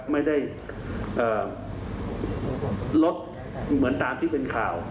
ไม่ได้ลดเหมือนตามที่เป็นข่าว